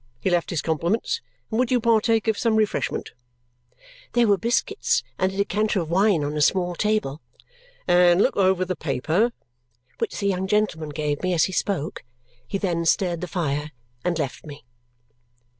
He left his compliments, and would you partake of some refreshment" there were biscuits and a decanter of wine on a small table "and look over the paper," which the young gentleman gave me as he spoke. He then stirred the fire and left me.